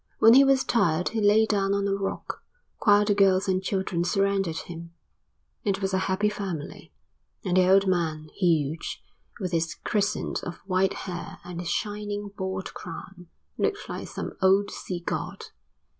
When he was tired he lay down on a rock, while the girls and children surrounded him; it was a happy family; and the old man, huge, with his crescent of white hair and his shining bald crown, looked like some old sea god.